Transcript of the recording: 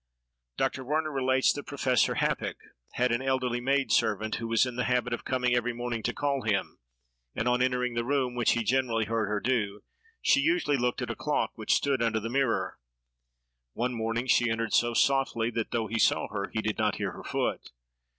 Dr. Werner relates that Professor Happach had an elderly maid servant, who was in the habit of coming every morning to call him, and on entering the room, which he generally heard her do, she usually looked at a clock which stood under the mirror. One morning, she entered so softly, that, though he saw her, he did not hear her foot.